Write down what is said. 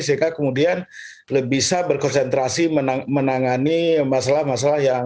sehingga kemudian bisa berkonsentrasi menangani masalah masalah yang